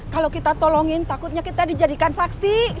kalau kita tolongin takutnya kita dijadikan saksi